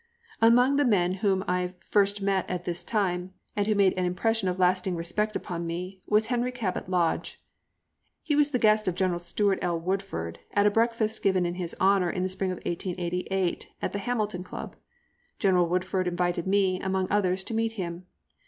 Among the men whom I first met at this time, and who made an impression of lasting respect upon me, was Henry Cabot Lodge. He was the guest of General Stewart L. Woodford, at a breakfast given in his honour in the spring of 1888 at the Hamilton Club. General Woodford invited me, among others, to meet him.